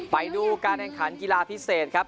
ไปดูการแข่งขันกีฬาพิเศษครับ